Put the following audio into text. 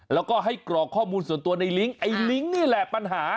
แล้วก็ให้กรอกข้อมูลส่วนตัวในลิงก์ไอ้ลิงก์นี่แหละปัญหา